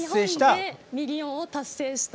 日本でミリオンを達成した。